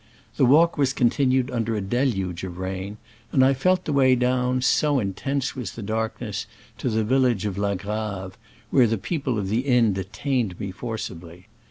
The walk was continued under a deluge of rain, and I felt the way down, so intense was the darkness, to the village of La Grave, where the people of the inn detained me forcibly.